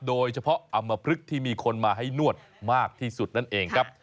อำมพลึกที่มีคนมาให้นวดมากที่สุดนั่นเองครับ